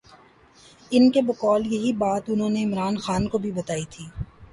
ان کے بقول یہی بات انہوں نے عمران خان کو بھی بتائی تھی۔